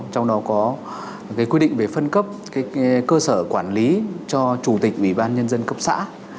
trong đó có quy định về phân cấp cơ sở quản lý cho chủ tịch ủy ban nhân dân cấp xã